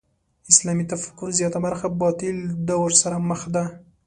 اسلامي تفکر زیاته برخه باطل دور سره مخ ده.